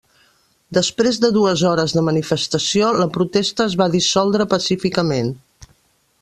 Després de dues hores de manifestació la protesta es va dissoldre pacíficament.